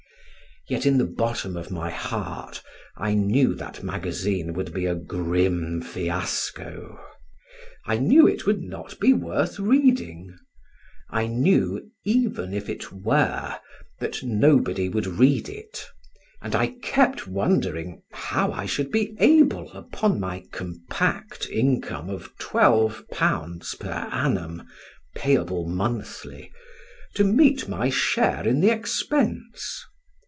Yet, in the bottom of my heart, I knew that magazine would be a grim fiasco; I knew it would not be worth reading; I knew, even if it were, that nobody would read it; and I kept wondering, how I should be able, upon my compact income of twelve pounds per annum, payable monthly, to meet my share in the expense.